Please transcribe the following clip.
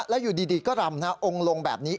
แล้วอยู่ดีก็รำองค์ลงแบบนี้